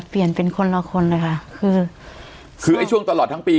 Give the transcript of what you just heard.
เปลี่ยนเป็นคนละคนเลยค่ะคือช่วงตลอดทั้งปี